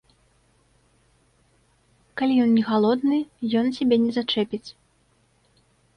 Калі ён не галодны, ён цябе не зачэпіць.